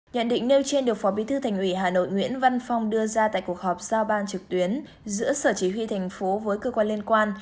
nhận định nêu trên được phó bí thư thành ủy hà nội nguyễn văn phong đưa ra tại cuộc họp giao ban trực tuyến giữa sở chỉ huy thành phố với cơ quan liên quan